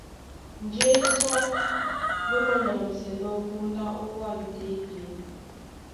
Njé sɔ́ ló manyamsɛnɔ́ póndá ówân tětē.